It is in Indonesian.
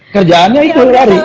kerjaannya itu lari